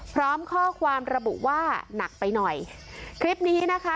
พร้อมข้อความระบุว่าหนักไปหน่อยคลิปนี้นะคะ